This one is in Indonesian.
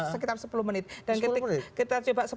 sekitar sepuluh menit dan kita coba